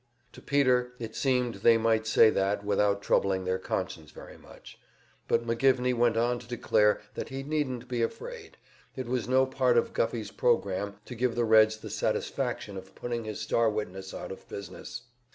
To Peter it seemed they might say that without troubling their conscience very much. But McGivney went on to declare that he needn't be afraid; it was no part of Guffey's program to give the Reds the satisfaction of putting his star witness out of business.